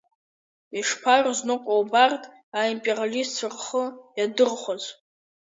Ишԥарызныҟәо убарҭ, аимпериалистцәа рхы иадырхәаз?